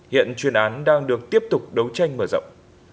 hiện chuyên án đang được tiếp tục đấu tranh mở rộng